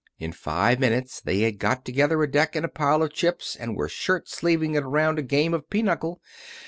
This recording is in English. In five minutes they had got together a deck and a pile of chips and were shirt sleeving it around a game of pinochle.